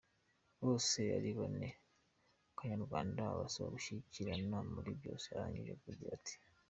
bose ari bene kanyarwanda abasaba gushyigikirana muri byose arangije agira ati.